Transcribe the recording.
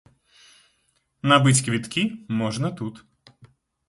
Набыць квіткі можна тут.